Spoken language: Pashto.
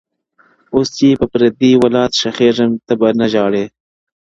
اوس چي پر پردي ولات ښخېږم ته به نه ژاړې-